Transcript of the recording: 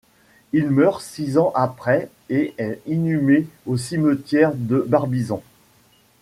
Il meurt six ans après et est inhumé au cimetière de Barbizon.